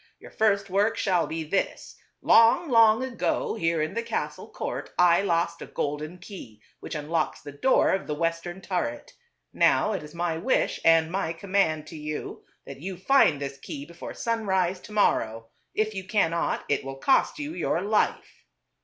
Your first work shall be this : Long, long ago, here in the castle court I lost a golden key, which unlocks the door of the western turret. Now it is my wish and my command to you that you find this key before sunrise to morrow. If you cannot, it will cost you your life."